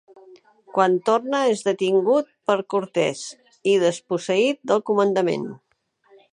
Quan torna és detingut per Cortés i desposseït del comandament.